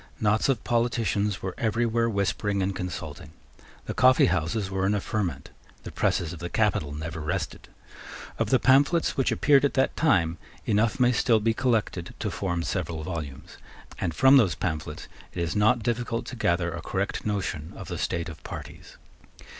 Knots of politicians were everywhere whispering and consulting. The coffeehouses were in a ferment. The presses of the capital never rested. Of the pamphlets which appeared at that time, enough may still be collected to form several volumes; and from those pamphlets it is not difficult to gather a correct notion of the state of parties.